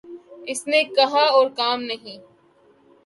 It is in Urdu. اس نے کہا اور کام نہیں